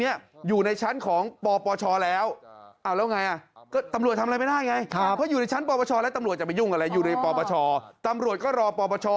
อยู่ในปปชแต่ตำรวจก็รอบปปช